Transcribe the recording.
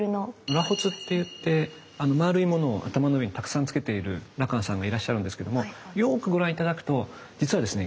螺髪っていって丸いものを頭の上にたくさんつけている羅漢さんがいらっしゃるんですけどもよくご覧頂くと実はですね